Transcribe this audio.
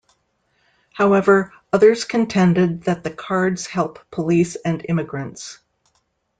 However, others contended that the cards help police and immigrants.